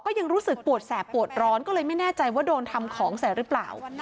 ยังรู้สึกปวดแสบปวดร้อนก็เลยไม่แน่ใจว่าโดนทำของใส่หรือเปล่า